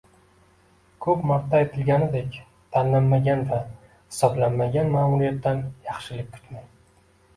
Ko'p marta aytilganidek, tanlanmagan va hisoblanmagan ma'muriyatdan yaxshilik kutmang